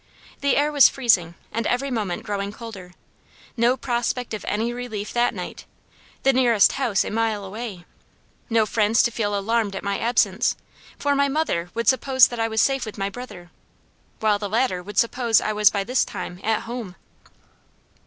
The air was freezing and every moment growing colder; no prospect of any relief that night; the nearest house a mile away; no friends to feel alarmed at my absence, for my mother would suppose that I was safe with my brother, while the latter would suppose I was by this time at home.